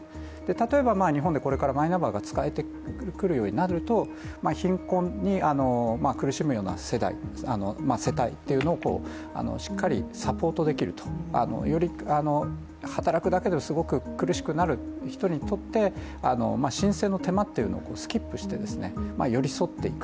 例えば、日本でこれからマイナンバーが使われるようになってくると貧困に苦しむような世代、世帯というものをしっかりサポートできるとより、働くだけですごく苦しくなる人にとって、申請の手間っていうのをスキップして寄り添っていく。